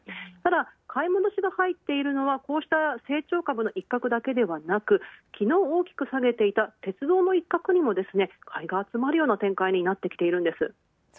ただ買い戻しが入ったのはこうした成長株の一角だけではなく、昨日、大きく下げた鉄道の一角にも買いが集まるような展開になってきています。